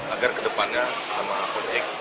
agar ke depannya sama ojek